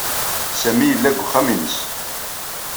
Sami yella deg uxxam-nnes.